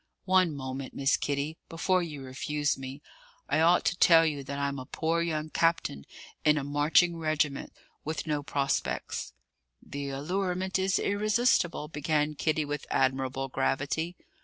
One moment, Miss Kitty, before you refuse me. I ought to tell you that I'm a poor young captain, in a marching regiment, with no prospects." "The allurement is irresistible " began Kitty, with admirable gravity.